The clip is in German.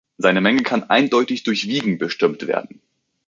Seine Menge kann eindeutig durch Wiegen bestimmt werden.